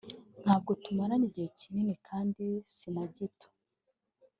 ntabwo tumaranye igihe kinini kandi sinagito